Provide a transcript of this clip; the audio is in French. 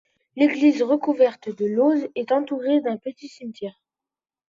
L'église recouverte de lauzes est entourée d'un petit cimetière.